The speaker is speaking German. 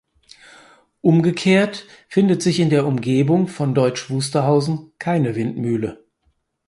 Umgekehrt findet sich in der Umgebung von Deutsch Wusterhausen keine Windmühle.